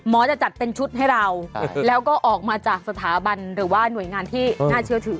จะจัดเป็นชุดให้เราแล้วก็ออกมาจากสถาบันหรือว่าหน่วยงานที่น่าเชื่อถือ